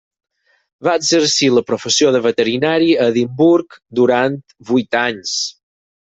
Va exercir la professió de veterinari a Edimburg durant vuit anys.